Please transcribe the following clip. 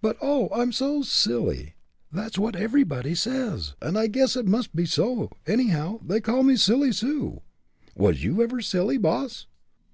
But oh! I'm so silly that's what everybody says, and I guess it must be so; anyhow, they call me Silly Sue. Was you ever silly, boss?"